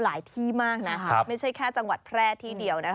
ที่มากนะไม่ใช่แค่จังหวัดแพร่ที่เดียวนะคะ